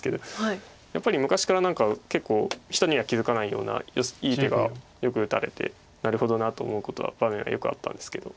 やっぱり昔から何か結構人には気付かないようないい手がよく打たれてなるほどなと思う場面がよくあったんですけど。